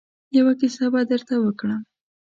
يوه کيسه به درته وکړم.